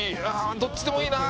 どっちでもいいな。